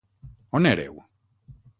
On éreu?